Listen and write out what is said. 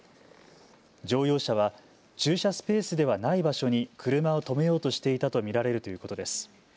乗用車は駐車スペースではない場所に車を止めようとしていたと見られるということです。